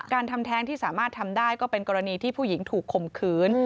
ทำแท้งที่สามารถทำได้ก็เป็นกรณีที่ผู้หญิงถูกข่มขืน